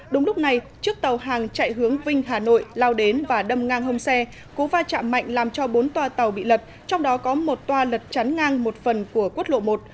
đúng lúc này chiếc tàu hàng chạy hướng vinh hà nội lao đến và đâm ngang hông xe cú va chạm mạnh làm cho bốn toa tàu bị lật trong đó có một toa lật chắn ngang một phần của quốc lộ một